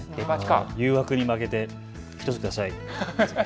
誘惑に負けて、１つください。